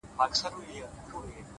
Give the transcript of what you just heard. سیاه پوسي ده شپه لېونۍ ده